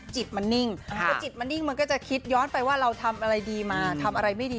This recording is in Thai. จิตมันนิ่งพอจิตมันนิ่งมันก็จะคิดย้อนไปว่าเราทำอะไรดีมาทำอะไรไม่ดี